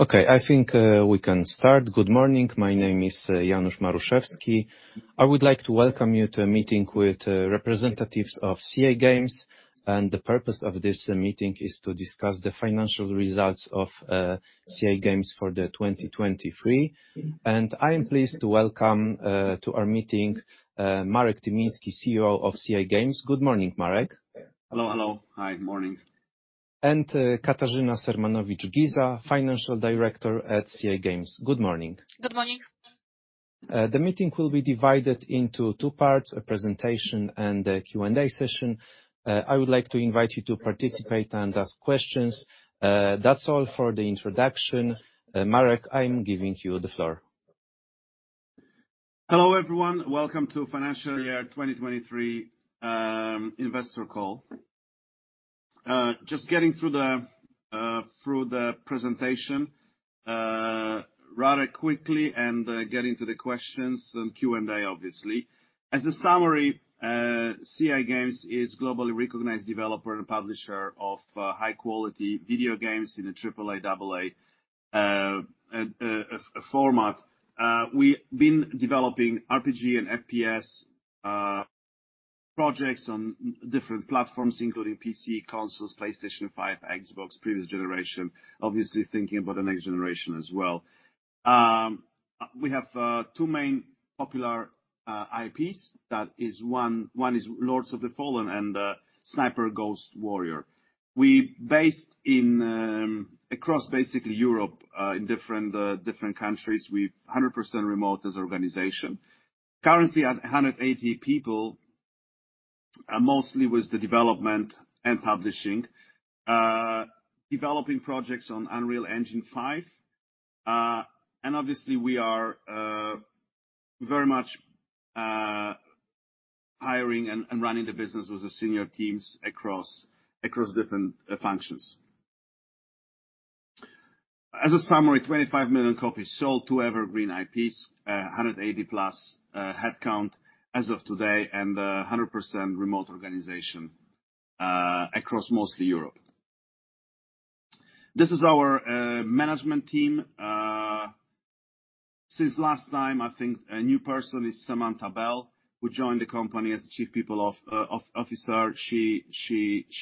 Okay, I think we can start. Good morning. My name is Janusz Maruszewski. I would like to welcome you to a meeting with representatives of CI Games, and the purpose of this meeting is to discuss the financial results of CI Games for 2023. I am pleased to welcome to our meeting Marek Tymiński, CEO of CI Games. Good morning, Marek. Hello, hello. Hi, morning. Katarzyna Sermanowicz-Giza, Financial Director at CI Games. Good morning. Good morning. The meeting will be divided into two parts, a presentation and a Q&A session. I would like to invite you to participate and ask questions. That's all for the introduction. Marek, I'm giving you the floor. Hello, everyone. Welcome to financial year 2023 investor call. Just getting through the presentation rather quickly and getting to the questions and Q&A, obviously. As a summary, CI Games is globally recognized developer and publisher of high-quality video games in the AAA, AA format. We've been developing RPG and FPS projects on different platforms, including PC, consoles, PlayStation 5, Xbox, previous generation, obviously thinking about the next generation as well. We have two main popular IPs. That is, one is Lords of the Fallen and Sniper Ghost Warrior. We based in across basically Europe in different countries. We're 100% remote as an organization. Currently, at 180 people, mostly with the development and publishing. Developing projects on Unreal Engine 5, and obviously, we are very much hiring and running the business with the senior teams across different functions. As a summary, 25 million copies sold to evergreen IPs, 180+ headcount as of today, and 100% remote organization across mostly Europe. This is our management team. Since last time, I think a new person is Samantha Bell, who joined the company as the Chief People Officer. She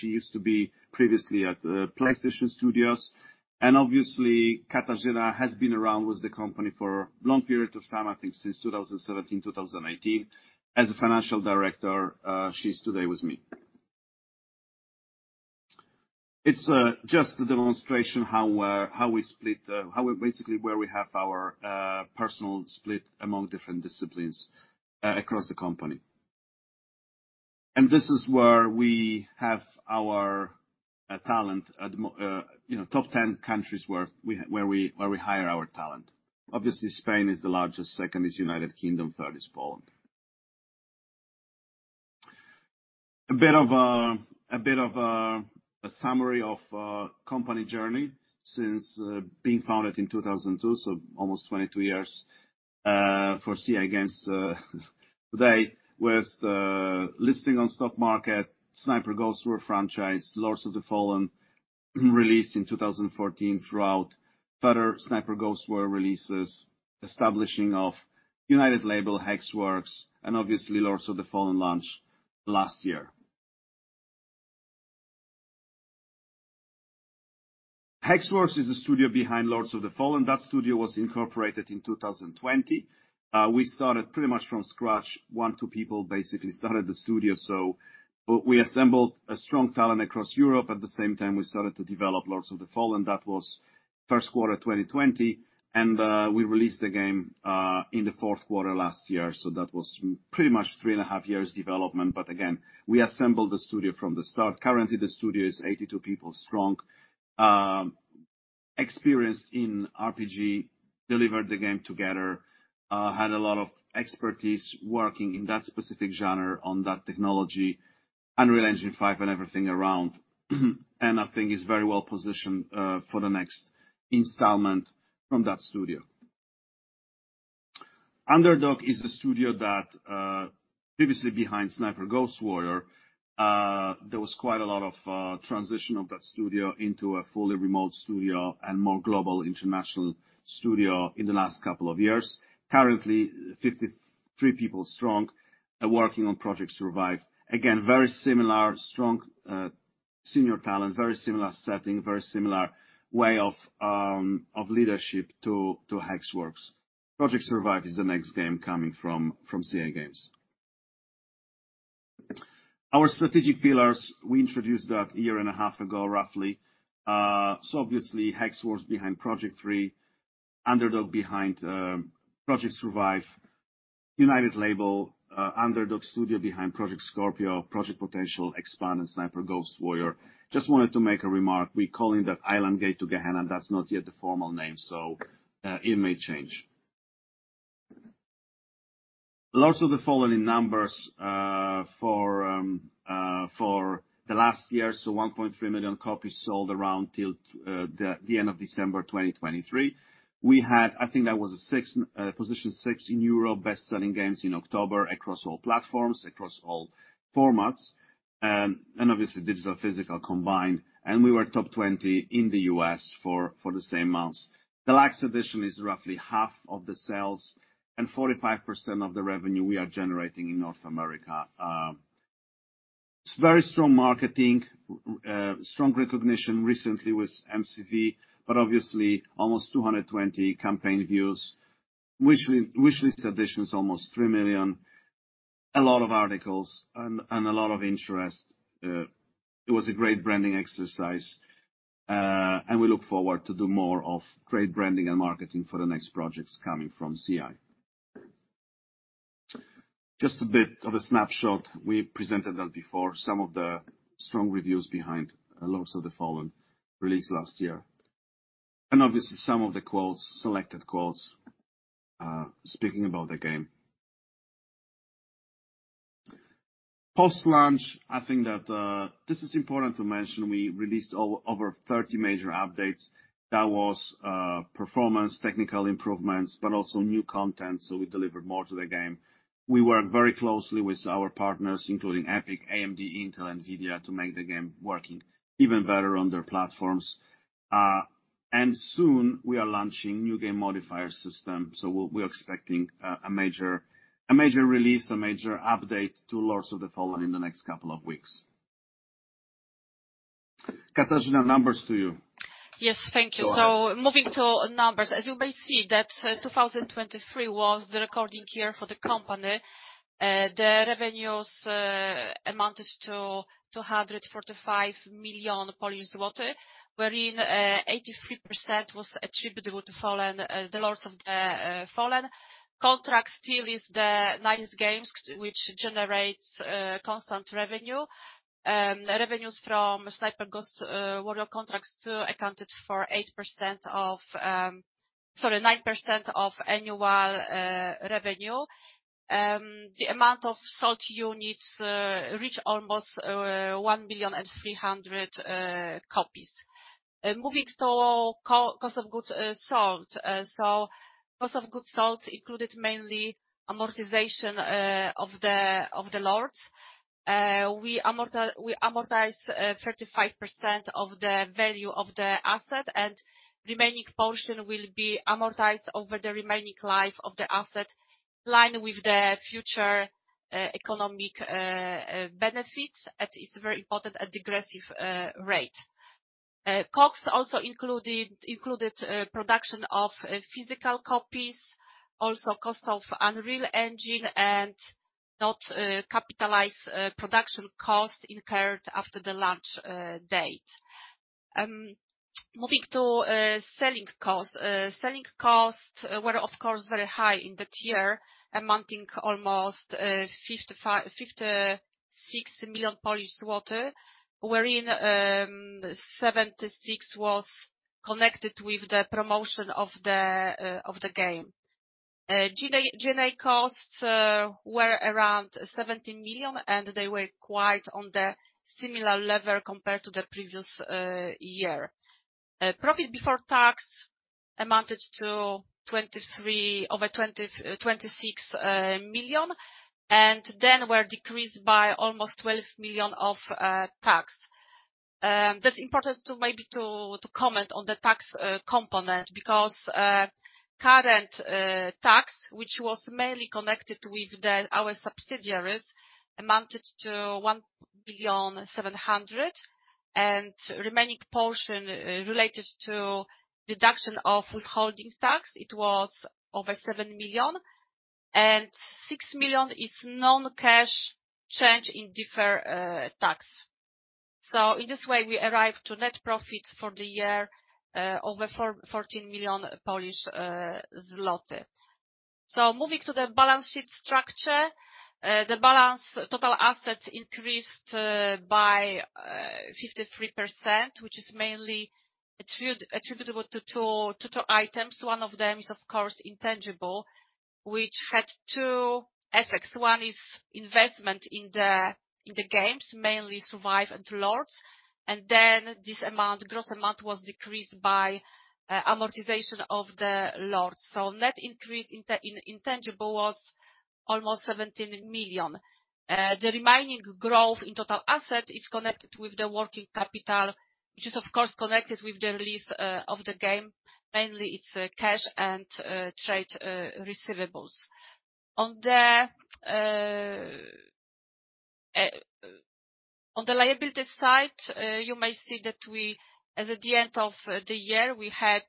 used to be previously at PlayStation Studios, and obviously, Katarzyna has been around with the company for a long period of time, I think since 2017, 2018, as a financial director. She's today with me. It's just a demonstration how we basically where we have our personnel split among different disciplines across the company. This is where we have our talent, you know, top 10 countries where we hire our talent. Obviously, Spain is the largest, second is United Kingdom, third is Poland. A bit of a summary of company journey since being founded in 2002, so almost 22 years for CI Games today, with listing on stock market, Sniper Ghost Warrior franchise, Lords of the Fallen, released in 2014, throughout further Sniper Ghost Warrior releases, establishing of United Label, Hexworks, and obviously, Lords of the Fallen launch last year. Hexworks is the studio behind Lords of the Fallen. That studio was incorporated in 2020. We started pretty much from scratch. One, two people basically started the studio, so but we assembled a strong talent across Europe. At the same time, we started to develop Lords of the Fallen. That was first quarter 2020, and we released the game in the fourth quarter last year, so that was pretty much three and a half years development. But again, we assembled the studio from the start. Currently, the studio is 82 people strong. Experienced in RPG, delivered the game together, had a lot of expertise working in that specific genre on that technology, Unreal Engine 5 and everything around, and I think is very well positioned for the next installment from that studio. Underdog is a studio that previously behind Sniper Ghost Warrior. There was quite a lot of transition of that studio into a fully remote studio and more global international studio in the last couple of years. Currently, 53 people strong are working on Project Survive. Again, very similar strong senior talent, very similar setting, very similar way of leadership to Hexworks. Project Survive is the next game coming from CI Games. Our strategic pillars, we introduced that a year and a half ago, roughly. So obviously, Hexworks behind Project 3, Underdog behind Project Survive, United Label, Underdog Studio behind Project Scorpio, Project Potential, Expand, and Sniper Ghost Warrior. Just wanted to make a remark, we're calling that Island: Gate to Gehenna. That's not yet the formal name, so it may change. Lords of the Fallen in numbers, for the last year, so 1.3 million copies sold around till the end of December 2023. We had, I think that was a position six in Europe, best-selling games in October across all platforms, across all formats, and obviously, digital, physical combined, and we were top 20 in the U.S. for the same months. The last edition is roughly half of the sales and 45% of the revenue we are generating in North America. Very strong marketing, strong recognition recently with MCV, but obviously almost 220 campaign views, wish list additions, almost 3 million. A lot of articles and a lot of interest. It was a great branding exercise, and we look forward to do more of great branding and marketing for the next projects coming from CI. Just a bit of a snapshot. We presented that before. Some of the strong reviews behind Lords of the Fallen, released last year. And obviously, some of the quotes, selected quotes, speaking about the game. Post-launch, I think that, this is important to mention, we released over 30 major updates. That was, performance, technical improvements, but also new content, so we delivered more to the game. We work very closely with our partners, including Epic, AMD, Intel, NVIDIA, to make the game working even better on their platforms. Soon, we are launching new game modifier system, so we're expecting a major release, a major update to Lords of the Fallen in the next couple of weeks. Katarzyna, numbers to you. Yes, thank you. Go ahead. So moving to numbers, as you may see, that 2023 was the record year for the company. The revenues amounted to 245 million Polish zloty, wherein 83% was attributable to Lords of the Fallen. Contracts 2 is the nice game, which generates constant revenue. Revenues from Sniper Ghost Warrior Contracts 2 accounted for 8% of, sorry, 9% of annual revenue. The amount of sold units reach almost 1.3 million copies. Moving to cost of goods sold. So cost of goods sold included mainly amortization of the, of the Lords. We amortize 35% of the value of the asset, and remaining portion will be amortized over the remaining life of the asset, in line with the future economic benefits, and it's very important, at aggressive rate. Costs also included production of physical copies, also cost of Unreal Engine and not capitalize production cost incurred after the launch date. Moving to selling costs. Selling costs were, of course, very high in that year, amounting almost 56 million, wherein 76% was connected with the promotion of the game. G&A costs were around 70 million, and they were quite on the similar level compared to the previous year. Profit before tax amounted to 26 million, and then were decreased by almost 12 million of tax. That's important, maybe to comment on the tax component, because current tax, which was mainly connected with our subsidiaries, amounted to 1.7 million, and remaining portion related to deduction of withholding tax; it was over 7 million, and 6 million is non-cash change in deferred tax. So in this way, we arrive to net profits for the year, 14 million Polish zloty. So moving to the balance sheet structure. Total assets increased by 53%, which is mainly attributable to two items. One of them is, of course, intangible, which had two effects. One is investment in the games, mainly Survive and Lords. Then this amount, gross amount, was decreased by amortization of the Lords. So net increase in intangible was almost 17 million. The remaining growth in total asset is connected with the working capital, which is, of course, connected with the release of the game. Mainly, it's cash and trade receivables. On the liability side, you may see that we, as at the end of the year, we had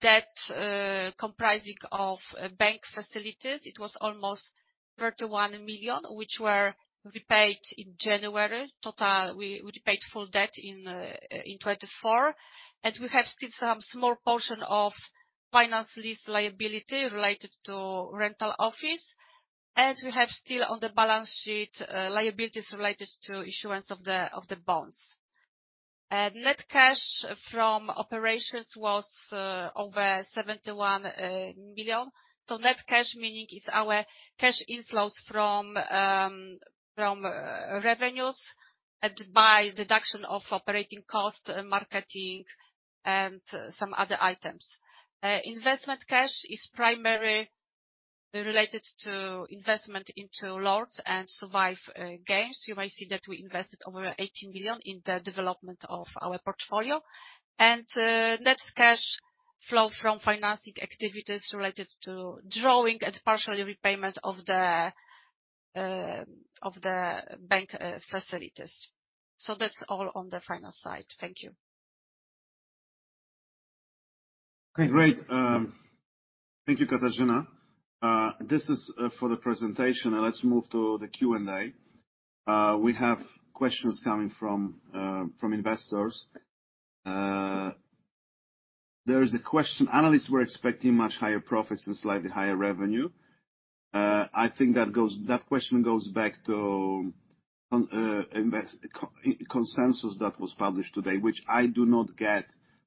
debt comprising of bank facilities. It was almost 31 million, which were repaid in January. Total, we paid full debt in 2024, and we have still some small portion of finance lease liability related to rental office, and we have still on the balance sheet liabilities related to issuance of the bonds. Net cash from operations was over 71 million. So net cash, meaning, is our cash inflows from revenues and by deduction of operating costs, marketing, and some other items. Investment cash is primarily related to investment into Lords and Survive games. You may see that we invested over 18 million in the development of our portfolio, and net cash flow from financing activities related to drawing and partially repayment of the bank facilities. So that's all on the finance side. Thank you. Great. Thank you, Katarzyna. This is for the presentation, and let's move to the Q&A. We have questions coming from investors. There is a question. Analysts were expecting much higher profits and slightly higher revenue. I think that question goes back to consensus that was published today, which I do not get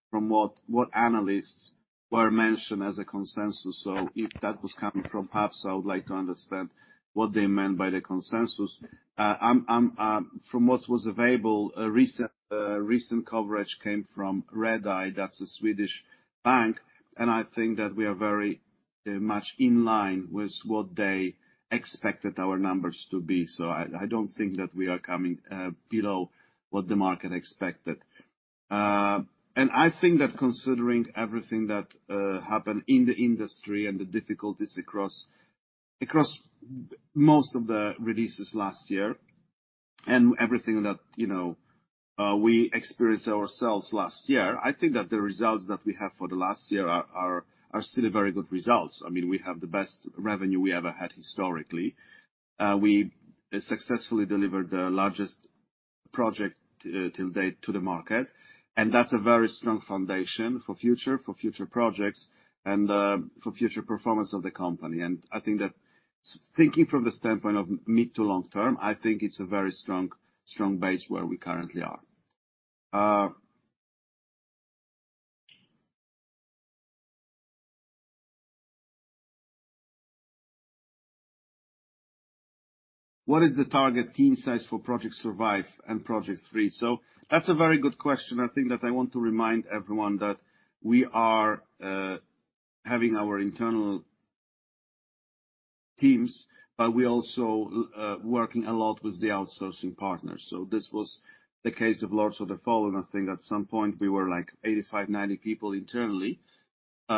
from what analysts were mentioned as a consensus. So if that was coming from perhaps, I would like to understand what they meant by the consensus. From what was available, a recent coverage came from Redeye, that's a Swedish bank, and I think that we are very much in line with what they expected our numbers to be. So I don't think that we are coming below what the market expected. I think that considering everything that happened in the industry and the difficulties across most of the releases last year and everything that, you know, we experienced ourselves last year, I think that the results that we have for the last year are still a very good results. I mean, we have the best revenue we ever had historically. We successfully delivered the largest project till date to the market, and that's a very strong foundation for future projects and for future performance of the company. I think that thinking from the standpoint of mid- to long-term, I think it's a very strong base where we currently are. What is the target team size for Project Survive and Project 3? So that's a very good question. I think that I want to remind everyone that we are having our internal teams, but we also working a lot with the outsourcing partners. So this was the case of Lords of the Fallen. I think at some point we were, like, 85, 90 people internally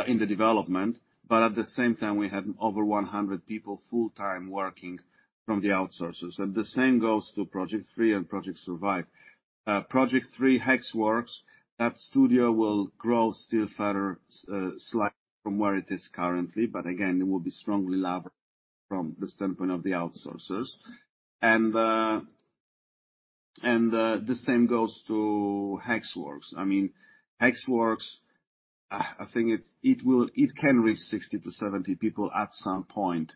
in the development, but at the same time we had over 100 people full-time working from the outsourcers. And the same goes to Project 3 and Project Survive. Project 3, Hexworks, that studio will grow still further slightly from where it is currently, but again, it will be strongly leveraged from the standpoint of the outsourcers. And the same goes to Hexworks. I mean, Hexworks, I think it can reach 60-70 people at some point,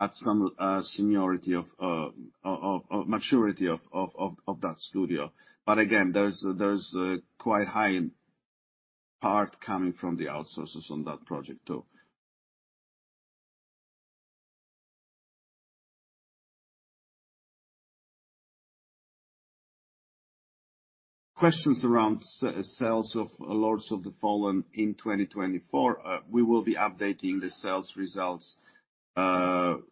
at some seniority of that studio. But again, there's a quite high part coming from the outsourcers on that project, too. Questions around sales of Lords of the Fallen in 2024, we will be updating the sales results in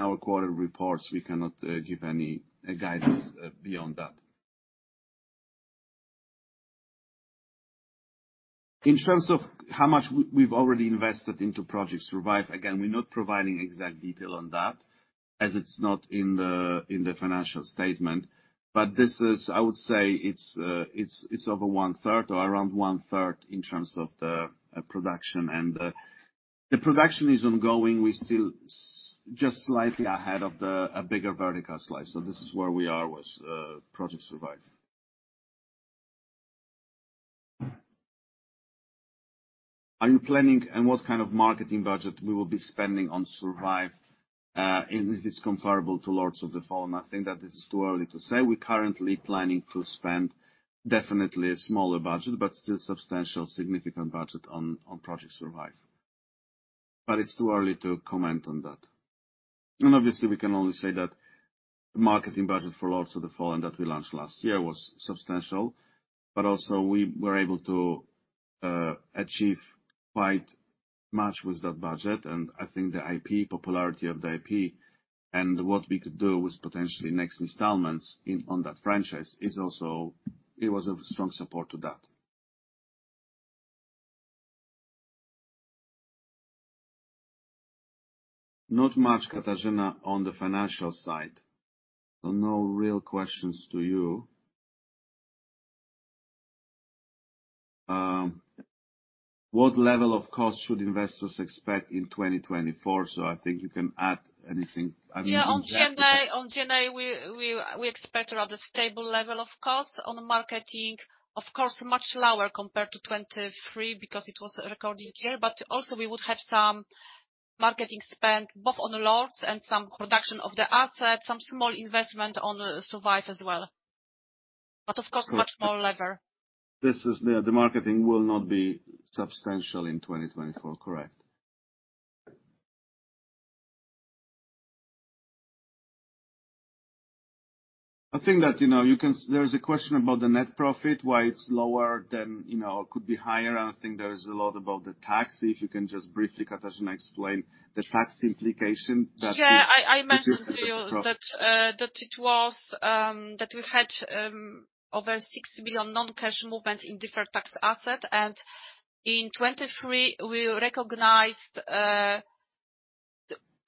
our quarter reports. We cannot give any guidance beyond that. In terms of how much we've already invested into Project Survive, again, we're not providing exact detail on that, as it's not in the financial statement. But this is, I would say it's over one third or around one third in terms of the production. And the production is ongoing. We still just slightly ahead of the a bigger vertical slice. So this is where we are with Project Survive. Are you planning, and what kind of marketing budget we will be spending on Survive, and if it's comparable to Lords of the Fallen? I think that this is too early to say. We're currently planning to spend definitely a smaller budget, but still substantial, significant budget on, on Project Survive. But it's too early to comment on that. And obviously, we can only say that the marketing budget for Lords of the Fallen that we launched last year was substantial, but also we were able to achieve quite much with that budget. And I think the IP, popularity of the IP and what we could do with potentially next installments in, on that franchise is also it was of strong support to that. Not much, Katarzyna, on the financial side, so no real questions to you. What level of cost should investors expect in 2024? I think you can add anything, I mean- Yeah, on Q&A, we expect a rather stable level of cost on marketing. Of course, much lower compared to 2023 because it was a record year, but also we would have some marketing spend, both on the Lords and some production of the asset, some small investment on Survive as well. But of course, much more lever. This is the marketing will not be substantial in 2024, correct? I think that, you know, there is a question about the net profit, why it's lower than, you know, could be higher. I think there is a lot about the tax. If you can just briefly, Katarzyna, explain the tax implication that is- Yeah, I mentioned to you that we had over 6 million non-cash movement in deferred tax asset, and in 2023, we recognized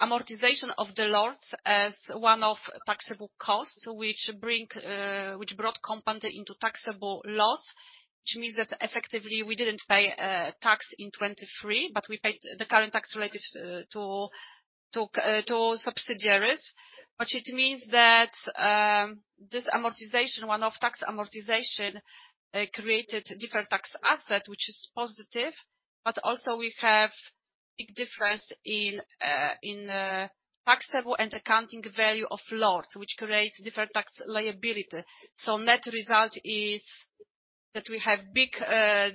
amortization of the Lords as one of taxable costs, which brought company into taxable loss. Which means that effectively, we didn't pay tax in 2023, but we paid the current tax related to subsidiaries. But it means that this amortization, one of tax amortization, created deferred tax asset, which is positive. But also we have big difference in taxable and accounting value of Lords, which creates deferred tax liability. So net result is that we have big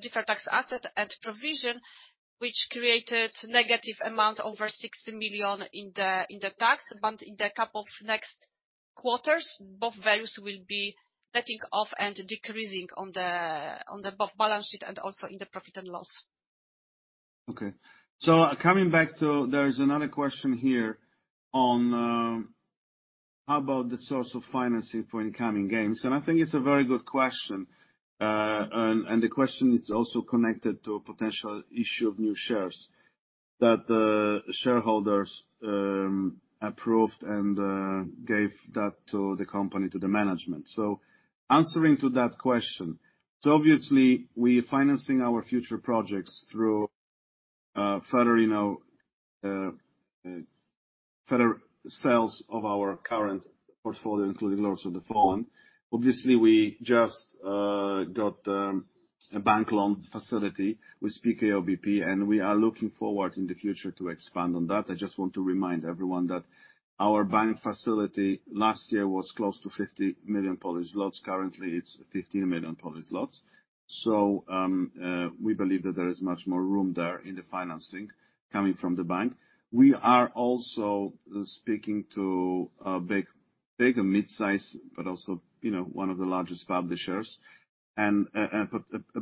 deferred tax asset and provision, which created negative amount over 60 million in the tax. But in the couple of next quarters, both values will be setting off and decreasing on the both balance sheet and also in the profit and loss. Okay. So coming back to. There is another question here on about the source of financing for incoming games, and I think it's a very good question. And the question is also connected to a potential issue of new shares, that the shareholders approved and gave that to the company, to the management. So answering to that question, so obviously, we're financing our future projects through further, you know, further sales of our current portfolio, including Lords of the Fallen. Obviously, we just got a bank loan facility with PKO BP, and we are looking forward in the future to expand on that. I just want to remind everyone that our bank facility last year was close to 50 million. Currently, it's 15 million. So, we believe that there is much more room there in the financing coming from the bank. We are also speaking to big, big and mid-size, but also, you know, one of the largest publishers, and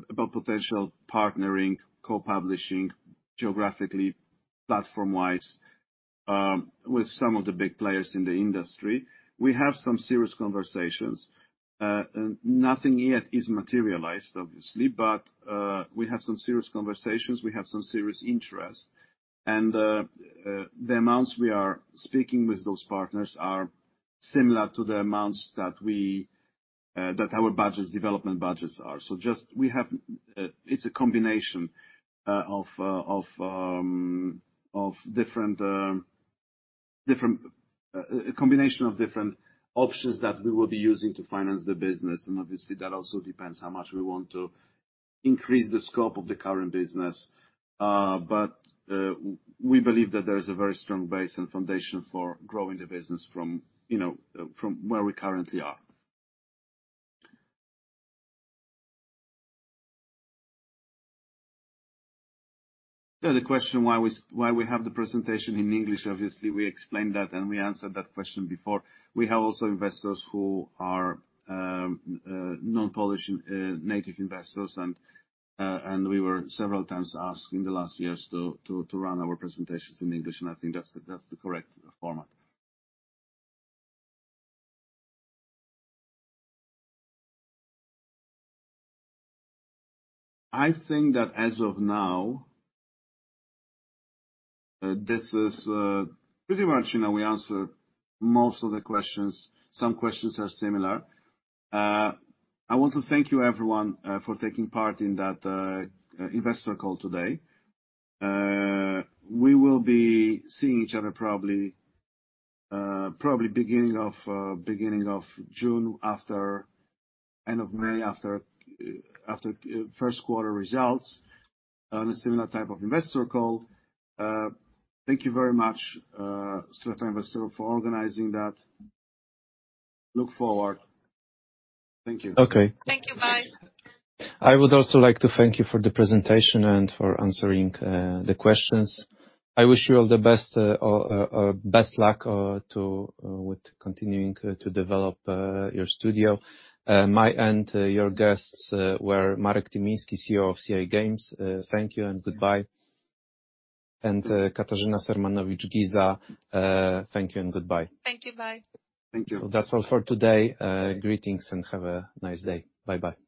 about potential partnering, co-publishing geographically, platform-wise, with some of the big players in the industry. We have some serious conversations, and nothing yet is materialized, obviously, but we have some serious conversations, we have some serious interest. And, the amounts we are speaking with those partners are similar to the amounts that we, that our budgets, development budgets are. So just we have... It's a combination of different options that we will be using to finance the business, and obviously, that also depends how much we want to increase the scope of the current business. But we believe that there is a very strong base and foundation for growing the business from, you know, from where we currently are. The other question, why we have the presentation in English, obviously, we explained that, and we answered that question before. We have also investors who are non-Polish native investors, and we were several times asked in the last years to run our presentations in English, and I think that's the correct format. I think that as of now, this is pretty much, you know, we answer most of the questions. Some questions are similar. I want to thank you, everyone, for taking part in that investor call today. We will be seeing each other probably beginning of June, after end of May, after first quarter results, on a similar type of investor call. Thank you very much to our investor for organizing that. Look forward. Thank you. Okay. Thank you. Bye. I would also like to thank you for the presentation and for answering the questions. I wish you all the best, best luck with continuing to develop your studio. Me and your guests were Marek Tymiński, CEO of CI Games. Thank you and goodbye. Katarzyna Sermanowicz-Giza, thank you and goodbye. Thank you. Bye. Thank you. That's all for today. Greetings, and have a nice day. Bye-bye. Thank you.